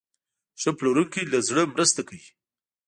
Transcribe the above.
ښه پلورونکی له زړه مرسته کوي.